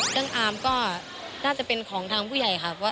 เรื่องอาร์มก็น่าจะเป็นของทางผู้ใหญ่ค่ะ